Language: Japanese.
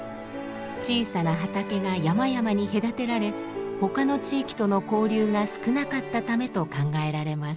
小さな畑が山々に隔てられ他の地域との交流が少なかったためと考えられます。